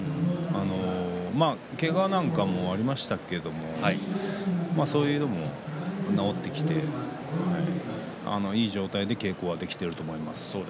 けがなんかもありましたけれどそれも治ってきていい状態で稽古はできていると思います。